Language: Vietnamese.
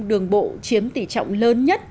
đường bộ chiếm tỷ trọng lớn nhất